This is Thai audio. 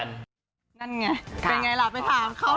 นั่นไงเป็นไงล่ะไปถามเขา